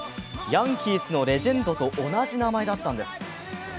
ヤンキースのレジェンドと同じ名前だったんです。